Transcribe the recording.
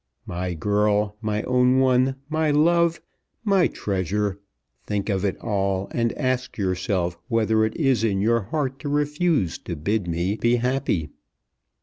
My girl, my own one, my love, my treasure, think of it all, and ask yourself whether it is in your heart to refuse to bid me be happy.